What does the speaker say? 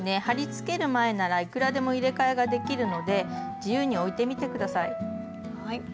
貼り付ける前ならいくらでも入れ替えができるので自由に置いてみてください。